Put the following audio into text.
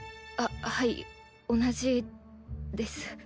ははい同じです。